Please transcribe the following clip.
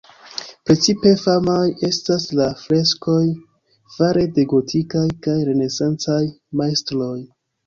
Precipe famaj estas la freskoj fare de gotikaj kaj renesancaj majstroj.